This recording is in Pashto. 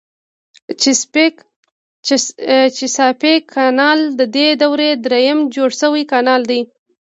چیساپیک کانال ددې دورې دریم جوړ شوی کانال و.